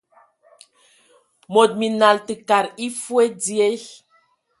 Mod minal, tə kad e foe dzie.